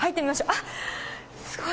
あっ、すごい。